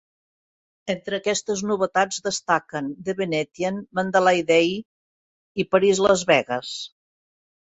Entre aquestes novetats destaquen The Venetian, Mandalay Bay i Paris Las Vegas.